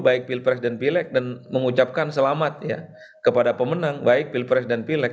baik pilpres dan pilek dan mengucapkan selamat ya kepada pemenang baik pilpres dan pilek